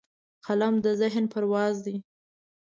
قلم د ذهن پرواز دی